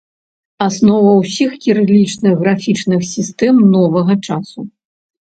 Аснова ўсіх кірылічных графічных сістэм новага часу.